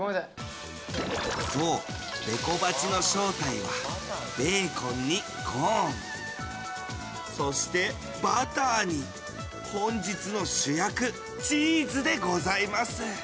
そう、ベコバチの正体はベーコンにコーンそしてバターに本日の主役チーズでございます。